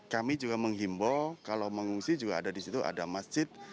kami juga menghimbau kalau mengungsi juga ada di situ ada masjid